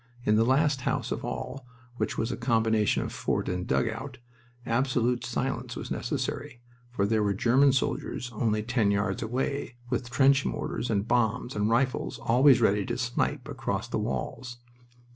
In the last house of all, which was a combination of fort and dugout, absolute silence was necessary, for there were German soldiers only ten yards away, with trench mortars and bombs and rifles always ready to snipe across the walls.